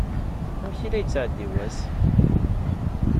Amek i la yettɛeddi wass?